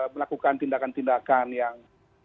melakukan tindakan tindakan yang